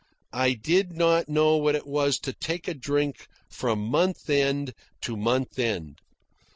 I did not know what it was to take a drink from month end to month end.